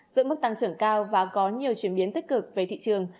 giữa mức tăng trưởng cao và có nhiều chuyển biến tích cực về thị trường